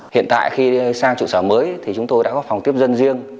hiện tại khi sang trụ sở mới thì chúng tôi đã có phòng tiếp dân riêng